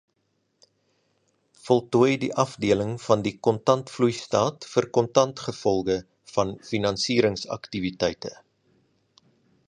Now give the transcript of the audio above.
Voltooi die afdeling van die Kontantvloeistaat vir kontantgevolge van finansieringsaktiwiteite.